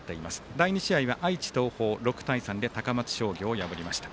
第２試合は愛知の東邦、６対３で高松商業を破りました。